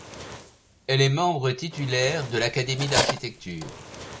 Elle est membre titulaire de l'Académie d'architecture.